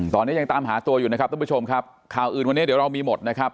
ตอนนี้ยังตามหาตัวอยู่นะครับทุกผู้ชมครับข่าวอื่นวันนี้เดี๋ยวเรามีหมดนะครับ